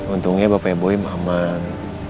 untungnya bapaknya ibu ibu ibu aman